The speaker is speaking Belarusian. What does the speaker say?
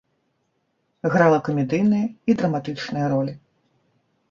Грала камедыйныя і драматычныя ролі.